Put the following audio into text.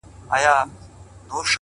نور مينه نه کومه دا ښامار اغزن را باسم،